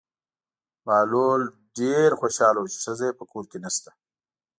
بهلول ډېر خوشحاله و چې ښځه یې په کور کې نشته.